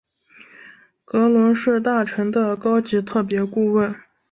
格伦是大臣的高级特别顾问。